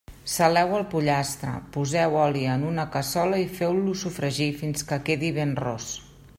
Saleu el pollastre, poseu oli en una cassola i feu-lo sofregir fins que quedi ben ros.